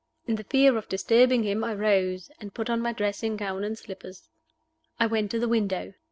In the fear of disturbing him I rose, and put on my dressing gown and slippers. I went to the window.